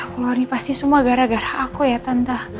keluar ini pasti semua gara gara aku ya tante